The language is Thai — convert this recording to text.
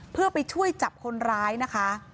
เพื่อไปช่วยจับคนร้ายนะคะ